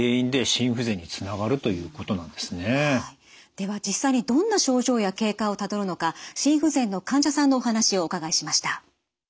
では実際にどんな症状や経過をたどるのか心不全の患者さんのお話をお伺いしました。